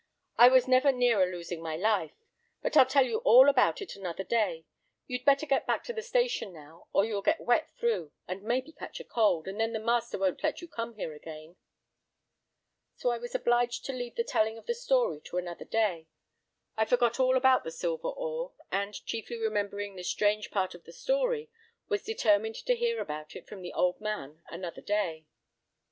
'I was never nearer losing my life!—but I'll tell you all about it another day. You'd better get back to the station now, or you'll get wet through, and maybe catch cold, and then the master won't let you come here again.' "So I was obliged to leave the telling of the story to another day. I forgot all about the silver ore, and, chiefly remembering the strange part of the story, was determined to hear about it from the old man another day.